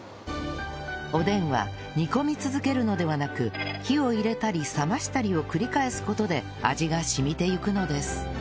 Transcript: おでんは煮込み続けるのではなく火を入れたり冷ましたりを繰り返す事で味が染みていくのです